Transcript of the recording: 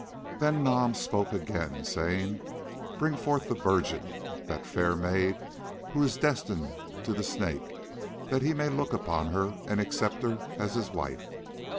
Then Nam spoke again, saying: "Bring forth the virgin, that fair maid who is destined to the Snake, that he may look upon her and accept her as his wife.